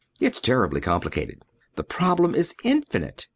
It's terribly complicated. The problem is infinite.